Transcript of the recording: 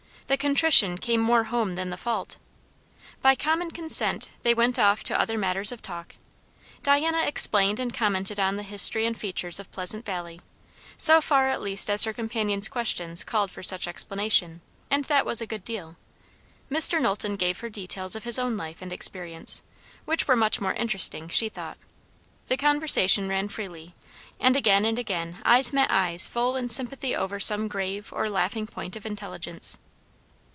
The contrition came more home than the fault. By common consent they went off to other matters of talk. Diana explained and commented on the history and features of Pleasant Valley, so far at least as her companion's questions called for such explanation, and that was a good deal. Mr. Knowlton gave her details of his own life and experience, which were much more interesting, she thought. The conversation ran freely; and again and again eyes met eyes full in sympathy over some grave or laughing point of intelligence.